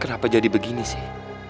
kenapa jadi begini sih